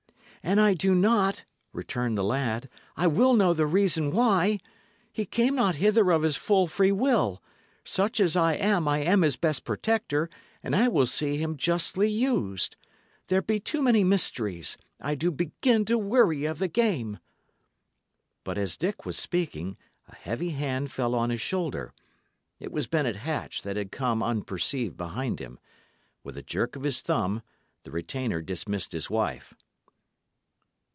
"An I do not," returned the lad, "I will know the reason why. He came not hither of his full free will; such as I am, I am his best protector, and I will see him justly used. There be too many mysteries; I do begin to weary of the game!" But as Dick was speaking, a heavy hand fell on his shoulder. It was Bennet Hatch that had come unperceived behind him. With a jerk of his thumb, the retainer dismissed his wife.